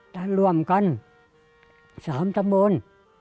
จะรวมกัน๓ตัมบล